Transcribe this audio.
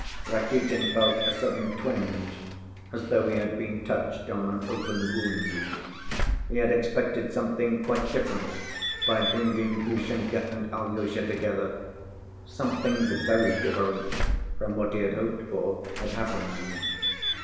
Rakitin felt a sudden twinge as though he had been touched on an open wound. He had expected something quite different by bringing Grushenka and Alyosha together. Something very different from what he had hoped for had happened.